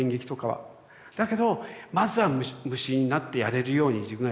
だけどまずは無心になってやれるように自分がやってみる。